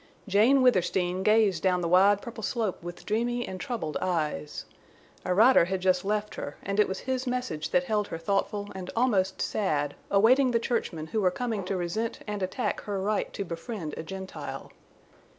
Jane Withersteen gazed down the wide purple slope with dreamy and troubled eyes. A rider had just left her and it was his message that held her thoughtful and almost sad, awaiting the churchmen who were coming to resent and attack her right to befriend a Gentile.